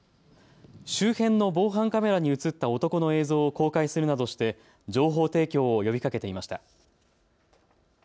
周辺の防犯カメラに写った男の映像を公開するなどして情報提供を呼びかけていました。